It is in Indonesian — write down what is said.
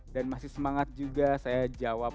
dan masih semangat juga saya jawab